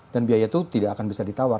dan biaya itu tidak akan bisa ditawar